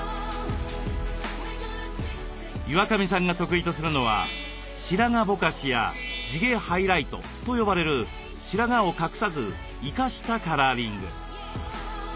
岩上さんが得意とするのは「白髪ぼかし」や「地毛ハイライト」と呼ばれる白髪を隠さず「生かした」カラーリング。